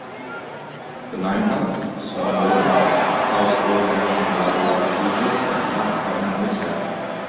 The Ninepipe, Swan River, and Pablo National Wildlife Refuges are not permanently staffed.